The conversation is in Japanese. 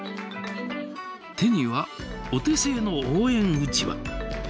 手にはお手製の応援うちわ。